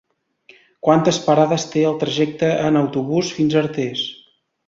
Quantes parades té el trajecte en autobús fins a Artés?